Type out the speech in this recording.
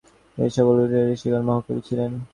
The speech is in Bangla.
এই সকল উপনিষদ্বক্তা ঋষিগণ মহাকবি ছিলেন।